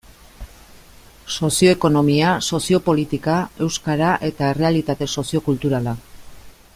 Sozio-ekonomia, sozio-politika, euskara eta errealitate sozio-kulturala.